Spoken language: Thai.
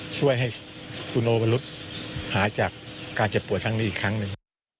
ช่วยให้คุณโอวรุษหายจากการเจ็บป่วยครั้งนี้อีกครั้งหนึ่ง